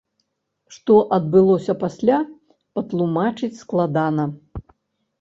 Што адбылося пасля, патлумачыць складана.